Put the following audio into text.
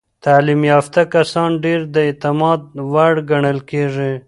تعلیم یافته کسان ډیر د اعتماد وړ ګڼل کېږي.